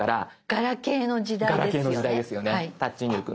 ガラケーの時代ですよねタッチ入力。